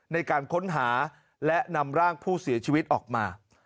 ในการค้นหาและนำร่างผู้เสียชีวิตออกมา